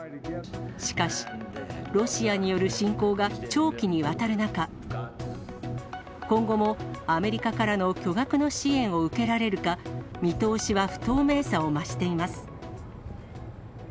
しかし、ロシアによる侵攻が長期にわたる中、今後もアメリカからの巨額の支援を受けられるか、見通しは不透明さを増しています。